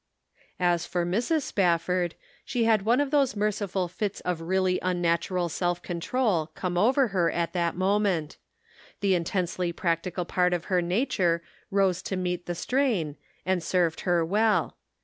As for Mrs. Spafford, she had one of those merciful fits of really unnatural self control The Answer. 361 come over her at that moment; the intensely practical part of her nature rose to meet the strain, and served her well.